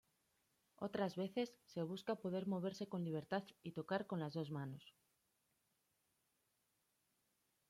Otras veces, se busca poder moverse con libertad y tocar con las dos manos.